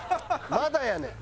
まだやねん！